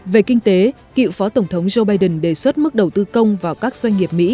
về kinh tế cựu phó tổng thống joe biden đề xuất mức đầu tư công vào các doanh nghiệp mỹ